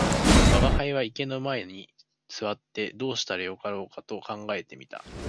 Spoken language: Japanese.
吾輩は池の前に坐ってどうしたらよかろうと考えて見た